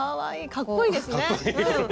かっこいいですねうん。